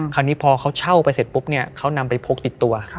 คราวนี้พอเขาเช่าไปเสร็จปุ๊บเนี่ยเขานำไปพกติดตัว